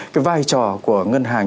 cái vai trò của ngân hàng